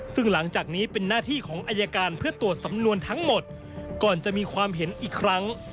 ซึ่งหลังจากนี้เป็นหน้าที่ของอายการเพื่อตรวจสำนวนทั้งหมดก่อนจะมีความเห็นอีกครั้ง